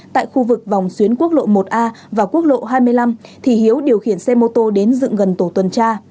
tại khu vực vòng xuyến quốc lộ một a và quốc lộ hai mươi năm thì hiếu điều khiển xe mô tô đến dựng gần tổ tuần tra